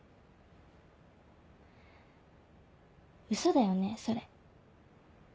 ウソだよねそれ。